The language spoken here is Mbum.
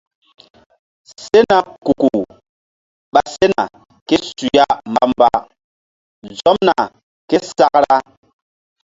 Sena kuku ɓa sena ké su ya mbamba zomna ké sakra.